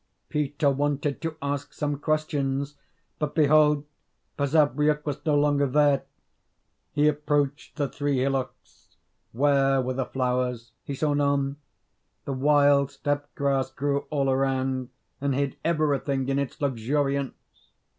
Peter wanted to ask some questions, but behold Basavriuk was no longer there. He approached the three hillocks where were the flowers? He saw none. The wild steppe grass grew all around, and hid everything in its luxuriance.